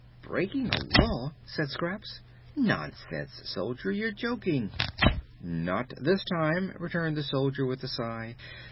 "Breaking a law!" said Scraps. "Nonsense, Soldier; you're joking." "Not this time," returned the soldier, with a sigh.